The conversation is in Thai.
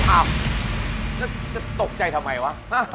อ้าวจะตกใจทำไมวะ